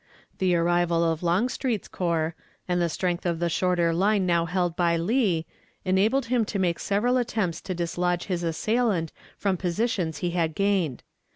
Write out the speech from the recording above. The arrival of Longstreet's troops, and the strength of the shorter line now held by Lee, enabled him to make several attempts to dislodge his assailant from positions he had gained.